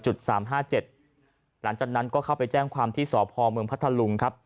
หลังจากนั้นก็เข้าไปแจ้งความที่สพเมืองพัทธลุงครับ